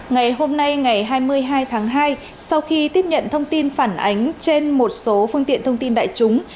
ngày hôm nay ngày hai mươi hai tháng hai sau khi tiếp nhận thông tin phản ánh trên một số phương tiện thông tin đại chúng